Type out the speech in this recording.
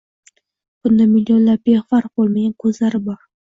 Bunday, millionlab befarq bo‘lmagan ko‘zlari bor